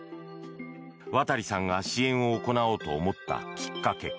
和多利さんが支援を行おうと思ったきっかけ